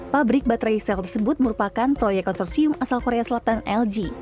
pabrik baterai sel tersebut merupakan proyek konsorsium asal korea selatan lg